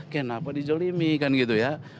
kenapa dizolimi kan gitu ya